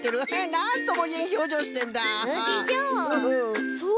なんともいえんひょうじょうしてるな。